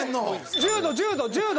１０度１０度１０度！